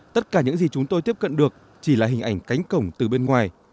tất cả những gì chúng tôi tiếp cận được chỉ là hình ảnh cánh cổng từ bên ngoài